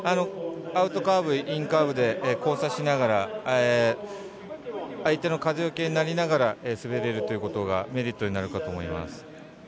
アウトカーブインカーブで交差しながら相手の風よけになりながら滑れるということがメリットになるかと思います。